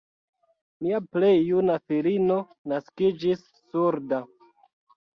Mia plej juna filino naskiĝis surda.